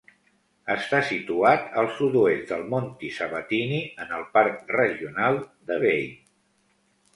Està situat al sud-oest del Monti Sabatini en el parc regional de Veii.